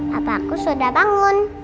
papaku sudah bangun